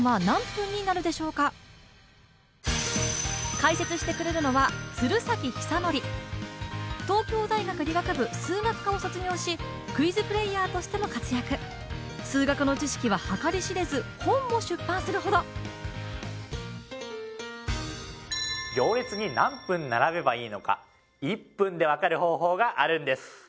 解説してくれるのは東京大学理学部数学科を卒業しクイズプレイヤーとしても活躍数学の知識は計り知れず本も出版するほど行列に何分並べばいいのか１分でわかる方法があるんです